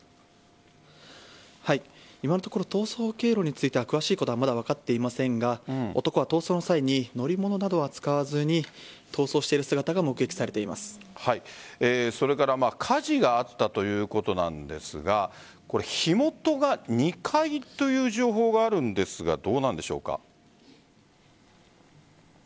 今のところ逃走経路については詳しいことはまだ分かっていませんが男は逃走の際に乗り物などは使わずに逃走している姿がそれから火事があったということなんですが火元が２階という情報があるんですがどうなんでしょうか？